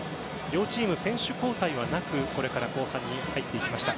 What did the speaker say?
両チーム選手交代はなく後半に入っていきました。